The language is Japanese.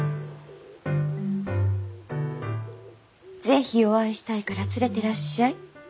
是非お会いしたいから連れてらっしゃい。